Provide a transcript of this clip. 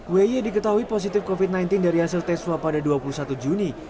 wy diketahui positif covid sembilan belas dari hasil tes swab pada dua puluh satu juni